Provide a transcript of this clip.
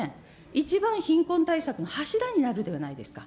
一番貧困対策の柱になるではないですか。